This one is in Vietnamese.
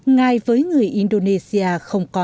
ngay với người indonesia không thể quên